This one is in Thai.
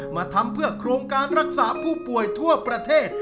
มาทำเพื่อโครงการรักษาผู้ป่วยทั่วประเทศ